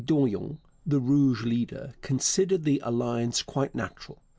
Dorion, the Rouge leader, considered the alliance quite natural.